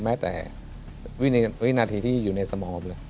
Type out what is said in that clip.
แม้แต่วินาทีที่อยู่ในสมองเลย